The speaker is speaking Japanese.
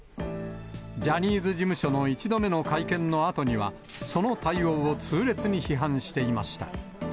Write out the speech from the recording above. ジャニーズ事務所の１度目の会見のあとには、その対応を痛烈に批判していました。